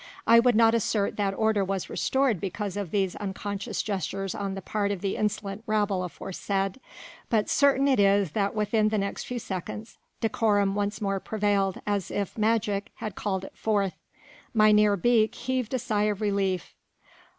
I would not assert that order was restored because of these unconscious gestures on the part of the insolent rabble aforesaid, but certain it is that within the next few seconds decorum once more prevailed as if magic had called it forth. Mynheer Beek heaved a sigh of relief.